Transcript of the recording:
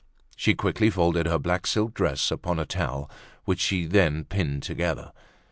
She quickly folded her black silk dress upon a towel which she then pinned together.